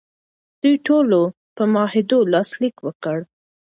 دوی ټولو په معاهده لاسلیک وکړ.